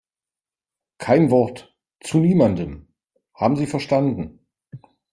Kein Wort zu niemandem, haben Sie verstanden?